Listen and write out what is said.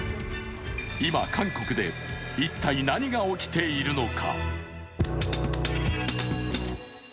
今、韓国で一体、何が起きているのか。